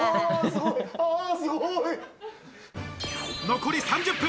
残り３０分。